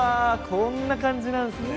こんな感じなんすね